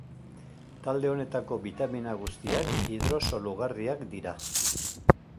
Talde honetako bitamina guztiak hidrosolugarriak dira.